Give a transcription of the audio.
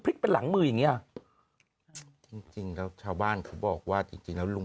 พลิกต๊อกเต็มเสนอหมดเลยพลิกต๊อกเต็มเสนอหมดเลย